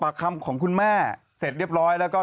ทางแฟนสาวก็พาคุณแม่ลงจากสอพอ